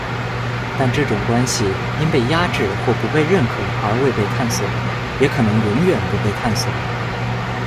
但这种关系因被压制或不被认可而未被探索，也可能永远不被探索。